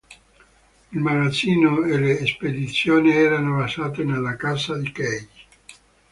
Il magazzino e le spedizioni erano basate nella casa di Kaye.